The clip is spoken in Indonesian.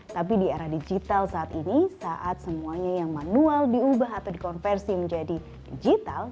tapi di era digital saat ini saat semuanya yang manual diubah atau dikonversi menjadi digital